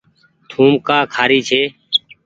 ٿوم ڪآ کآري ڇي۔